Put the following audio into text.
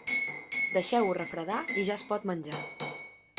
Deixeu-ho refredar i ja es pot menjar.